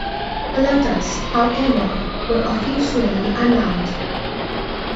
The Lottas, however, were officially unarmed.